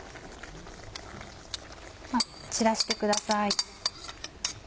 散らしてください。